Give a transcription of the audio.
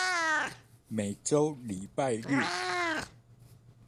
每週禮拜日